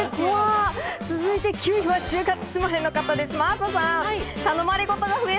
続いて９位は１０月生まれの方、真麻さん。